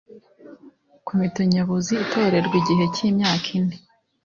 komite nyobozi itorerwa igihe cy'imyaka ine